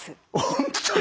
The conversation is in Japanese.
本当に！